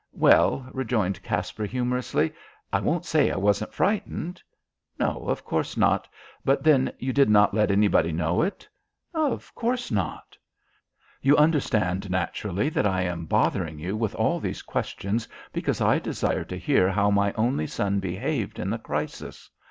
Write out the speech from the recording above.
"Well," rejoined Caspar humorously, "I won't say I wasn't frightened." "No, of course not. But then you did not let anybody know it?" "Of course not." "You understand, naturally, that I am bothering you with all these questions because I desire to hear how my only son behaved in the crisis.